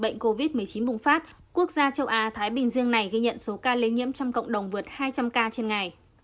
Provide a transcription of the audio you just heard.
bệnh covid một mươi chín bùng phát quốc gia châu á thái bình dương này ghi nhận số ca lây nhiễm trong cộng đồng vượt hai trăm linh ca trên ngày